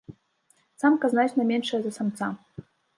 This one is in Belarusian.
Самка значна меншая за самца.